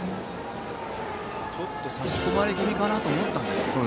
ちょっと差し込まれ気味かと思ったんですけど。